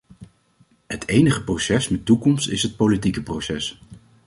Het enige proces met toekomst is het politieke proces.